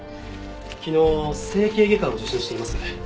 昨日整形外科を受診しています。